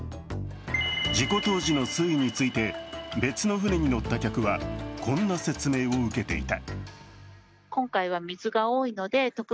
事故当時の水位について別の舟に乗った客はこんな説明を受けていた。